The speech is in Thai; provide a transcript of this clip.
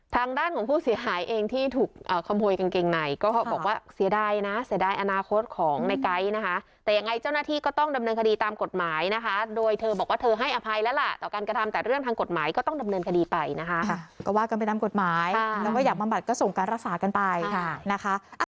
ต้องให้อภัยผมด้วยเพราะตอนนี้ผมตำรวจผิดมากและผมอยากบำบัดมากค่ะ